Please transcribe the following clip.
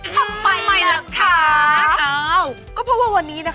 จริง